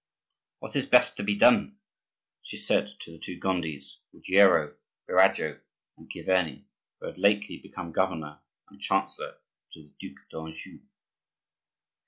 "What is best to be done?" she said to the two Gondis, Ruggiero, Birago, and Chiverni who had lately become governor and chancellor to the Duc d'Anjou.